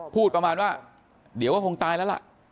พูดประมาณว่าเดี๋ยวก็คงตายแล้วล่ะ